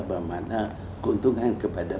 bermakna keuntungan kepada